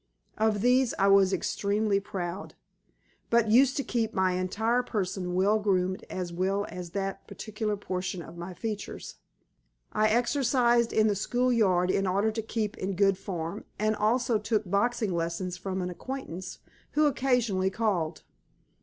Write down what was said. Of these I was extremely proud, but used to keep my entire person well groomed as well as that particular portion of my features. I exercised in the school yard in order to keep in good form and also took boxing lessons from an acquaintance, who occasionally called.